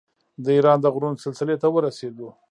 د ایران د غرونو سلسلې ته ورسېدو.